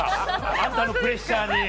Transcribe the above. あんたのプレッシャーに。